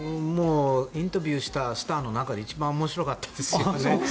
インタビューしたスターの中で一番面白かったですよね。